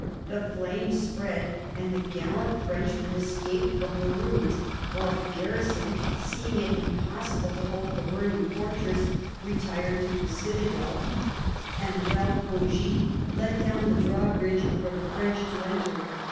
The flames spread, and the gallant Frenchmen escaped from the ruins ; while the garrison, seeing it impossible to hold the burning fortress, retired to the citadel, and Ealph Bogis let down the drawbridge for the French to enter.